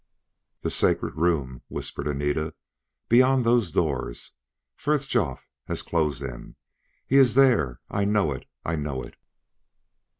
"The sacred room," whispered Anita, "beyond those doors. Frithjof has closed them. He is there. I know it I know it!"